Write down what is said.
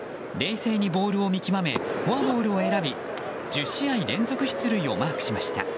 冷静にボールを見極めフォアボールを選び１０試合連続出塁をマークしました。